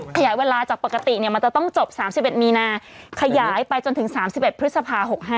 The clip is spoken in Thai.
ขยายเวลาจากปกติมันจะต้องจบ๓๑มีนาขยายไปจนถึง๓๑พฤษภา๖๕